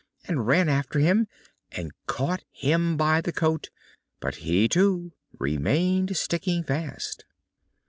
and ran after him, and caught him by the coat, but he too remained sticking fast.